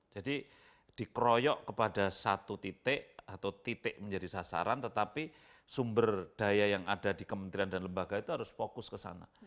jadi dikroyok kepada satu titik atau titik menjadi sasaran tetapi sumber daya yang ada di kementerian dan lembaga itu harus fokus ke sana